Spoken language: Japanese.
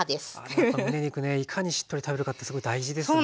やっぱむね肉ねいかにしっとり食べるかってすごい大事ですもんね。